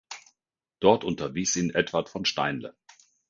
Dort unterwies ihn Edward von Steinle.